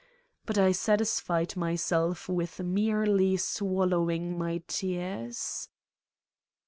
But I satisfied myself with merely swallowing my tears.